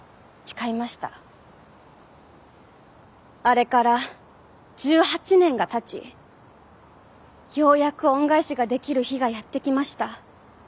あれから１８年が経ちようやく恩返しができる日がやってきました。